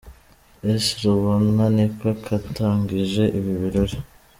S Rubona niko katangije ibi birori.